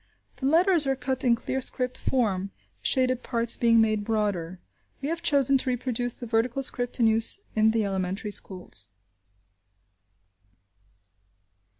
The letters are cut in clear script form, the shaded parts being made broader. We have chosen to reproduce the vertical script in use in the elementary schools.